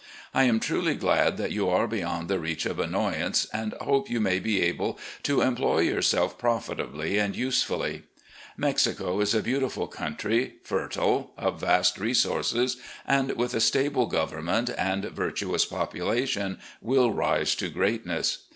I am truly glad that you are beyond the reach of annoyance, and hope you may be able to employ yourself profitably and usefully. Mexico is a beautiful country, futile, of vast resources ; and, with a stable government and virtu ous population, will rise to greatness.